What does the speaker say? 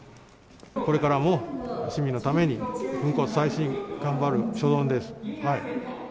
これからも市民のために、粉骨砕身、頑張る所存です。